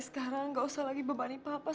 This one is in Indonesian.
sekarang tidak perlu beban bapak